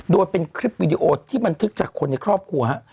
โดยเป็นคลิปวีดีโอที่บันทึกจากคนในครอบครัวฮะ